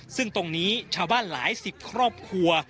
ซึ่งตรงนี้ชาวบ้านหลายสิบครอบครัว